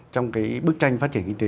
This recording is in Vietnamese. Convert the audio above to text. trong cái bức tranh phát triển kinh tế